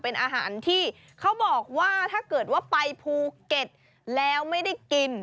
เป็นอาหารที่เขาบอกว่าถ้าเกิดว่าไปภูเก็ตแล้วไม่ได้กิน